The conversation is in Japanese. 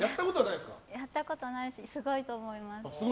やったことはないしすごいと思います。